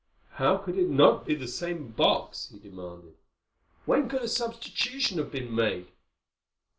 "How could it not be the same box?" he demanded. "When could a substitution have been made?"